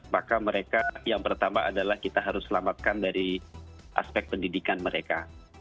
maka mereka yang pertama adalah kita harus selamatkan dari aspek pendidikan mereka